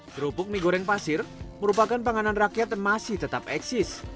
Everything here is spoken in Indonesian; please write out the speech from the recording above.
kerupuk mie goreng pasir merupakan panganan rakyat yang masih tetap eksis